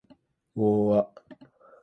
を―あ